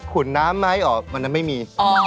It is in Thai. ุนน้ำไหมออกวันนั้นไม่มี